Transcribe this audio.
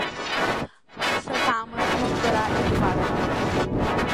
Саҭамыз, ус бара иахьбасҳәо.